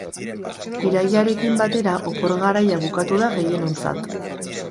Irailarekin batera opor garaia bukatu da gehienontzat.